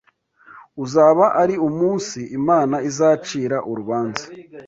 Uzaba ari umunsi « Imana izacira urubanza